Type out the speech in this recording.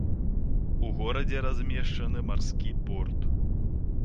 У горадзе размешчаны марскі порт.